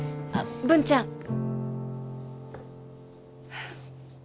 あっ文ちゃん。